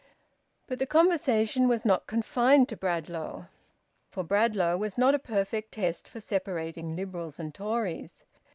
But the conversation was not confined to Bradlaugh, for Bradlaugh was not a perfect test for separating Liberals and Tories.